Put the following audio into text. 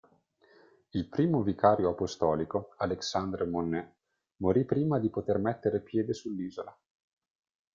Il primo vicario apostolico, Alexandre Monnet, morì prima di poter mettere piede sull'isola.